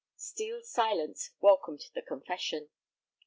Steel's silence welcomed the confession.